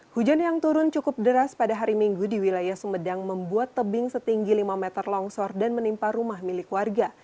hujan yang turun cukup deras pada hari minggu di wilayah sumedang membuat tebing setinggi lima meter longsor dan menimpa rumah milik warga